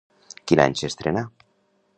Quin any s'estrenà?